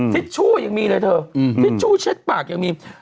ซิชั่วยังมีเลยคุณซิชั่วเช็ดปากยังมี